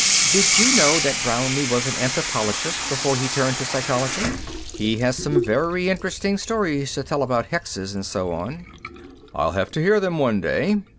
"Did you know that Brownlee was an anthropologist before he turned to psychology? He has some very interesting stories to tell about hexes and so on." "I'll have to hear them one day."